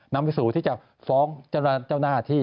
นำไปสู่ที่จะฟ้องเจ้าหน้าที่